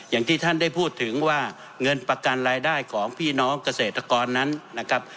อย่างที่ท่านได้พูดถึงว่าเงินประกันรายได้ของพี่น้องเกษตรกรนั้นนะครับ